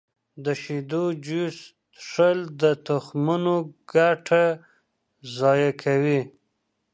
د شیدو جوس څښل د تخمونو ګټه ضایع کوي.